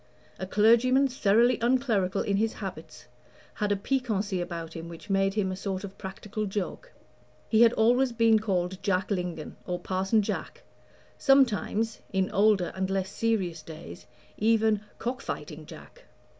A clergyman thoroughly unclerical in his habits had a piquancy about him which made him a sort of practical joke. He had always been called Jack Lingon, or Parson Jack sometimes, in older and less serious days, even "Cock fighting Jack."